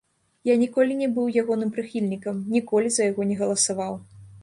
Я ніколі не быў ягоным прыхільнікам, ніколі за яго не галасаваў.